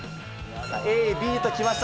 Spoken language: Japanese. Ａ、Ｂときました。